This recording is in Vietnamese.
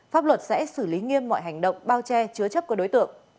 pháp luật sẽ xử lý nghiêm mọi hành động bao che chứa chấp của đối tượng